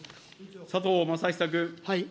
佐藤正久君。